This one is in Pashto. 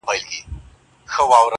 دي روح کي اغښل سوی دومره.